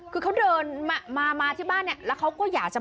คือเขาเดินมามาที่บ้านเนี่ยแล้วเขาก็อย่าเสียด้วยนะครับ